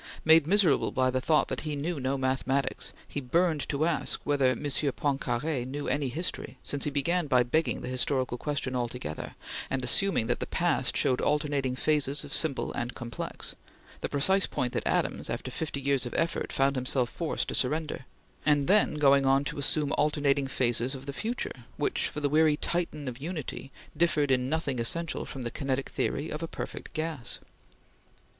Made miserable by the thought that he knew no mathematics, he burned to ask whether M. Poincare knew any history, since he began by begging the historical question altogether, and assuming that the past showed alternating phases of simple and complex the precise point that Adams, after fifty years of effort, found himself forced to surrender; and then going on to assume alternating phases for the future which, for the weary Titan of Unity, differed in nothing essential from the kinetic theory of a perfect gas.